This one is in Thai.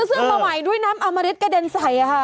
ซึ่งประแห่งด้วยน้ำอัมภิริตเกระเด็นใสนะคะ